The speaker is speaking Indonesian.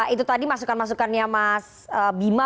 itu tadi masukan masukannya mas bima